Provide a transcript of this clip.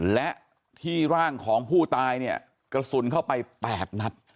และที่ร่างของผู้ตายเนี่ยกระสุนเข้าไป๘นัด